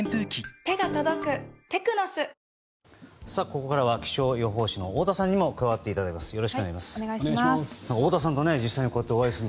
ここからは気象予報士の太田さんにも加わっていただきます。